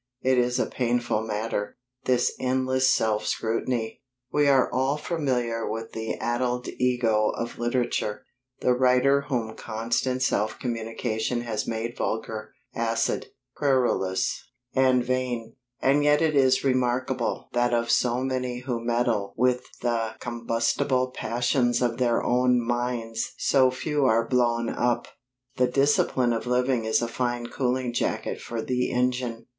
It is a painful matter, this endless self scrutiny. We are all familiar with the addled ego of literature the writer whom constant self communion has made vulgar, acid, querulous, and vain. And yet it is remarkable that of so many who meddle with the combustible passions of their own minds so few are blown up. The discipline of living is a fine cooling jacket for the engine.